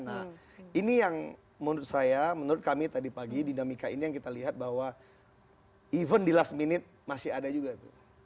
nah ini yang menurut saya menurut kami tadi pagi dinamika ini yang kita lihat bahwa even di last minute masih ada juga tuh